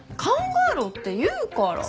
考えろって言うから！